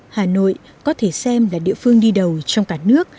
hà nội có thể xem là địa phương đi đầu trong cả nước